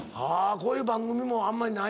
こういう番組もあんまりないもんな。